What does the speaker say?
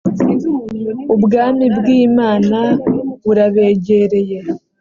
ubwami bw’ imana burabegereye